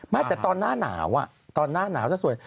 ไม่แต่ตอนหน้าหนาวตอนหน้าหนาวจะสวย